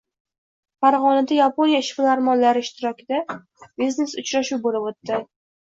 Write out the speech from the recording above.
Farg‘onada Yaponiya ishbilarmonlari ishtirokida biznes-uchrashuv bo‘lib o‘tding